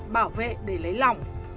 bảo vệ để lấy lỏng